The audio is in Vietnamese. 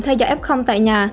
theo do f tại nhà